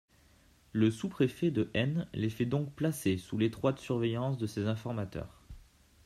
Le sous-préfet de N les fait donc placer sous l'étroite surveillance de ses informateurs.